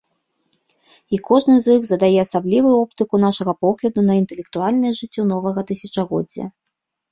І кожны з іх задае асаблівую оптыку нашага погляду на інтэлектуальнае жыццё новага тысячагоддзя.